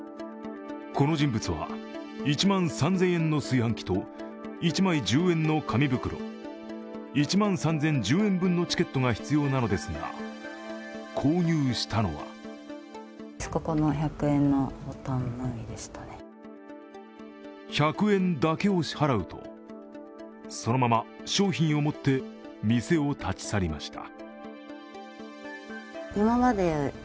この人物は１万３０００円の炊飯器と１枚１０円の紙袋、１万３０１０円分のチケットが必要なのですが購入したのは１００円だけを支払うと、そのまま商品を持って店を立ち去りました。